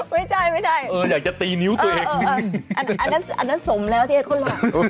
ไม่ใช่อยากจะตีนิ้วตัวเองอันนั้นสมแล้วที่เขาหลอก